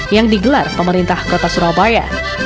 yang digelar pemerintah kota surabaya